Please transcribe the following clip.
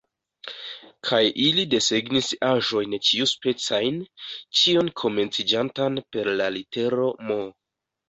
Kaj ili desegnis aĵojn ĉiuspecajn, ĉion komenciĝantan per la litero M.